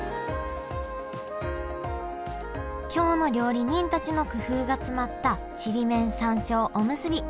京の料理人たちの工夫が詰まったちりめん山椒おむすび。